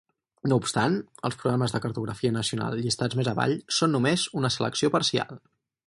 No obstant, els programes de cartografia nacional llistats més avall són només una selecció parcial.